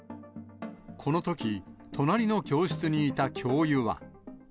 このとき、隣の教室にいた教諭は。